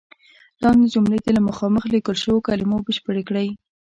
لاندې جملې دې له مخامخ لیکل شوو کلمو بشپړې کړئ.